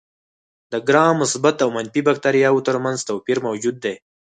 د ګرام مثبت او منفي باکتریاوو تر منځ توپیر موجود دی.